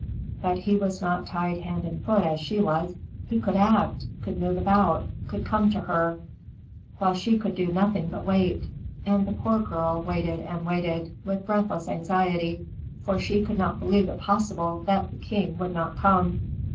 But he was not tied hand and foot as she was; he could act, could move about, could come to her, while she could do nothing but wait. And the poor girl waited and waited, with breathless anxiety for she could not believe it possible that the king would not come.